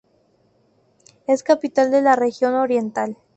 Es capital de la región Oriental..